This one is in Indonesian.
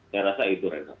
saya rasa itu reda